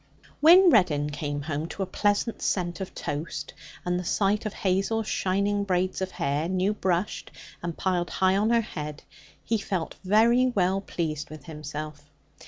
When Reddin came home to a pleasant scent of toast and the sight of Hazel's shining braids of hair, new brushed and piled high on her head, he felt very well pleased with himself.